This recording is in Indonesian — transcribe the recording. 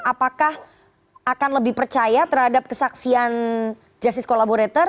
apakah akan lebih percaya terhadap kesaksian justice collaborator